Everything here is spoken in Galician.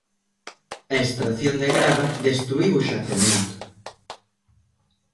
A extracción de grava destruíu o xacemento.